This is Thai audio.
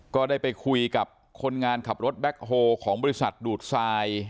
ก็ได้ไปคุยกับคนงานขับรถแบ็คโฮของบริษัทดูดทราย